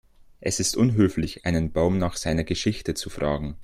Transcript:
Es ist unhöflich, einen Baum nach seiner Geschichte zu fragen.